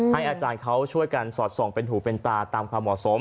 อาจารย์เขาช่วยกันสอดส่องเป็นหูเป็นตาตามความเหมาะสม